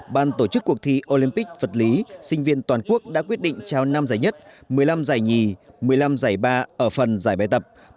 ban tổ chức cuộc thi olympic vật lý sinh viên toàn quốc đã quyết định trao năm giải nhất một mươi năm giải nhì một mươi năm giải ba ở phần giải bài tập